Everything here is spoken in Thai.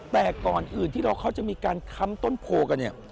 แต่ก่อนอื่นที่เขาจะมีการค้ำต้นโพกันเนี่ย